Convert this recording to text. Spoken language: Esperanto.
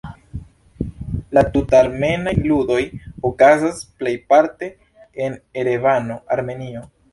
La Tut-armenaj Ludoj okazas plejparte en Erevano, Armenio.